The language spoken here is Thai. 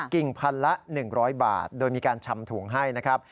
กิ่งพันละ๑๐๐บาทโดยมีการชำถุงให้นะครับ